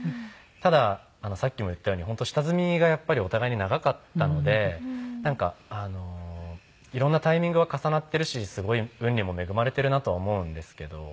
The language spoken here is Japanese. たださっきも言ったように本当下積みがやっぱりお互いに長かったのでなんか色んなタイミングは重なってるしすごい運にも恵まれてるなとは思うんですけど。